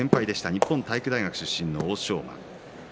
日本体育大学出身の欧勝馬。